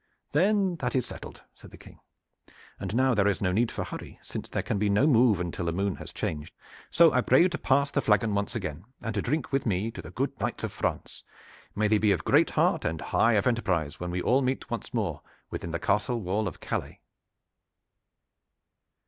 "Then that is settled," said the King, "and now there is no need for hurry, since there can be no move until the moon has changed. So I pray you to pass the flagon once again, and to drink with me to the good knights of France. May they be of great heart and high of enterprise when we all meet once more within the castle wall of Calais!"